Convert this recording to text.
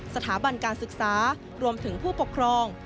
สถาบันการศึกษารวมถึงผู้ปกครอง